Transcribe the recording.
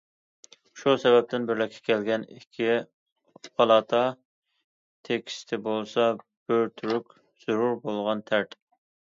شۇ سەۋەبتىن، بىرلىككە كەلگەن ئىككى پالاتا تېكىستى بولسا بىر تۈرلۈك زۆرۈر بولغان تەرتىپ.